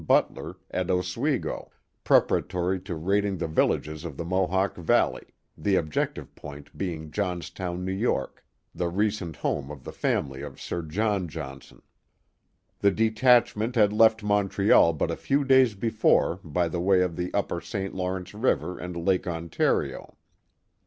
Butler at Oswego, preparatory to raiding the villages of the Mohawk i Valley, the objective point being Johnstown, N. Y., the re cent home of the family of Sir John Johnson. The detach ment had left Montreal but a few days before by the way of the upper St. Lawrence River and Lake Ontario.